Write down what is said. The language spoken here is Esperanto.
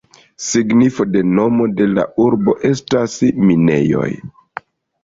Signifo de nomo de la urbo estas "minejoj".